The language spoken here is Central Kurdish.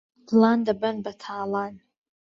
دڵان دەبەن بەتاڵان